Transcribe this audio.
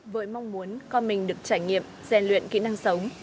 với mong muốn con mình được trải nghiệm gian luyện kỹ năng sống